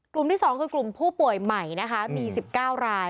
ที่๒คือกลุ่มผู้ป่วยใหม่นะคะมี๑๙ราย